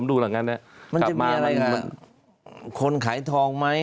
มันจะมีอะไรบ้าง